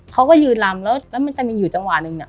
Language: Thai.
เขาก็ยืนลำก็มีจังหวะนึงอ่ะ